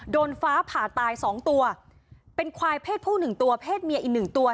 โดนฟ้าผ่าตายสองตัวเป็นควายเพศผู้หนึ่งตัวเพศเมียอีกหนึ่งตัว